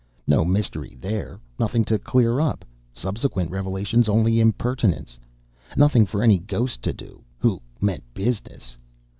No mystery THERE; nothing to clear up; subsequent revelations only impertinence. Nothing for any ghost to do who meant business.